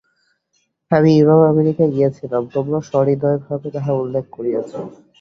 আমি ইউরোপ-আমেরিকায় গিয়াছিলাম, তোমরাও সহৃদয়ভাবে তাহা উল্লেখ করিয়াছ।